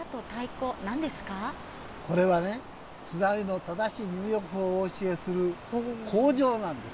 これはね、砂湯の正しい入浴法をお教えする口上なんです。